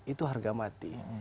itu harga mati